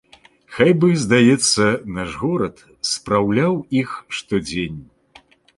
Хай бы, здаецца, наш горад спраўляў іх штодзень.